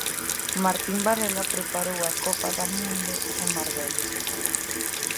Martín Varela preparou a copa da mundo en Marbella.